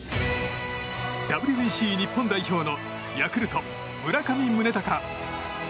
ＷＢＣ日本代表のヤクルト、村上宗隆。